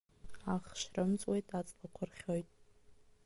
Ахш рымҵуеит, аҵлақәа рхьоит.